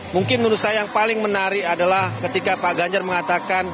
mungkin menurut saya yang paling menarik adalah ketika pak ganjar mengatakan